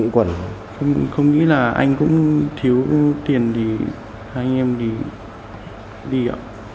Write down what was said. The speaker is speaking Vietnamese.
không có nghĩa là anh cũng thiếu tiền thì hai anh em đi ạ